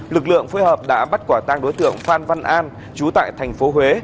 lực lượng phối hợp đã bắt quả tăng đối tượng phan văn an chú tại tp huế